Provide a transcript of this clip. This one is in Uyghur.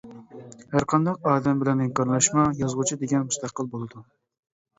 ھەرقانداق ئادەم بىلەن ھەمكارلاشما، يازغۇچى دېگەن مۇستەقىل بولىدۇ.